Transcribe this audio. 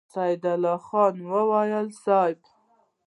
سيدال خان وويل: صېب!